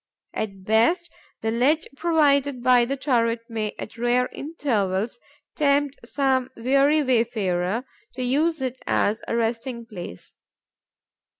At best, the ledge provided by the turret may, at rare intervals, tempt some weary wayfarer to use it as a resting place.